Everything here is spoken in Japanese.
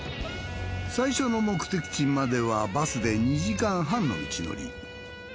最初の目的地まではバスで２時間半の道のり。